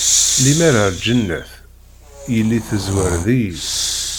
Lemmer ar lǧennet, yili tezwareḍ-iyi.